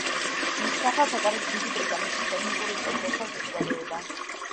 მის სახელს ატარებს დიდი ბრიტანეთის ტექნიკურ ისტორიკოსთა საზოგადოება.